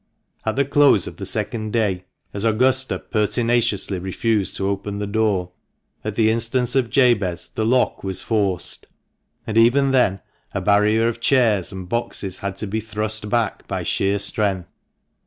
At the close of the second day, as Augusta pertinaciously refused to open the door, at the instance of Jabez the lock was forced; and even then a barrier of chairs and boxes had to be thrust back by sheer strength.